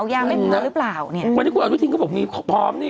วันที่คุณเอาที่ทิ้งก็บอกมีพร้อมนี่